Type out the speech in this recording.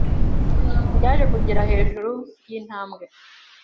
yaje kugera hejuru yintambwe.